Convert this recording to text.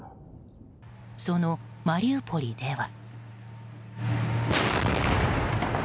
そのマリウポリでは。